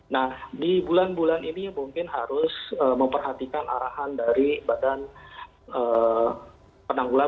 nah di bulan bulan ini mungkin harus memperhatikan arahan dari badan penanggulangan